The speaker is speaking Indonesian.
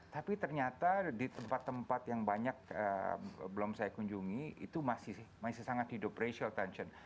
tapi ternyata di tempat tempat yang banyak belum saya kunjungi itu masih sih masih sangat hidup racial tension